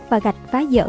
và gạch phá dở